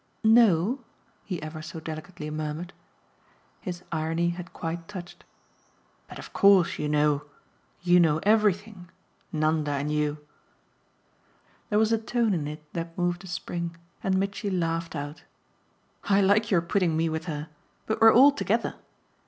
"'Know' ?" he ever so delicately murmured. His irony had quite touched. "But of course you know! You know everything Nanda and you." There was a tone in it that moved a spring, and Mitchy laughed out. "I like your putting me with her! But we're all together.